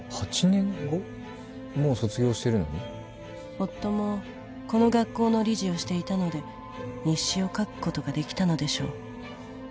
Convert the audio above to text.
夫もこの学校の理事をしていたので日誌を書くことができたのでしょう。